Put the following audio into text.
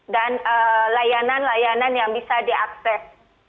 dan layanan layanan yang bisa diakses